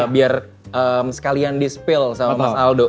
biar sekalian di spill sama mas aldo